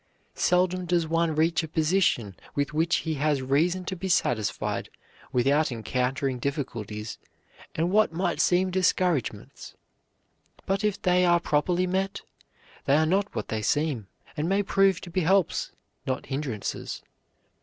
"Seldom does one reach a position with which he has reason to be satisfied without encountering difficulties and what might seem discouragements. But if they are properly met, they are not what they seem, and may prove to be helps, not hindrances.